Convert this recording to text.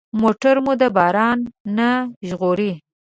موټر مو د باران نه ژغوري.